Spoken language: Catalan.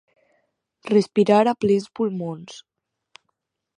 Respirar a plens pulmons.